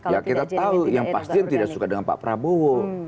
ya kita tahu yang pasti yang tidak suka dengan pak prabowo